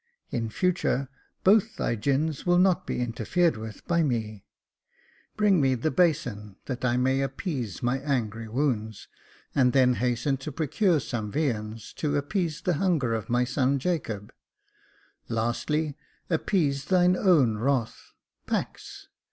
In future both thy gins will not be interfered with by me. Bring me the basin, that I may appease my angry wounds, and then hasten to procure some viands to appease the hunger of my son Jacob ; lastly, appease thine own wrath. Pax.